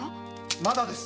まだです。